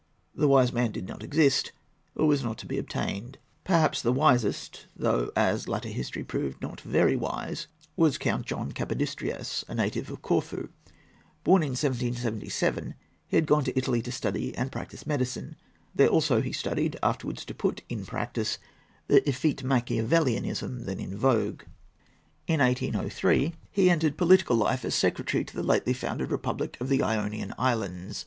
The wise man did not exist, or was not to be obtained. Perhaps the wisest, though, as later history proved, not very wise, was Count John Capodistrias, a native of Corfu. Born in 1777, he had gone to Italy to study and practise medicine. There also he studied, afterwards to put in practice, the effete Machiavellianism then in vogue. In 1803 he entered political life as secretary to the lately founded republic of the Ionian Islands.